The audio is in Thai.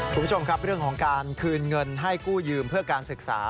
คุณผู้ชมครับเรื่องของการคืนเงินให้กู้ยืมเพื่อการศึกษา